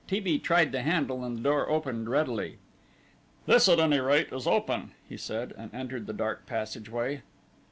T. B. tried the handle, and the door opened readily. "This at any rate is open," he said, and entered the dark passageway.